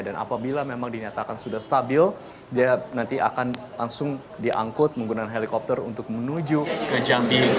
dan apabila memang dinyatakan sudah stabil dia nanti akan langsung diangkut menggunakan helikopter untuk menuju ke jambi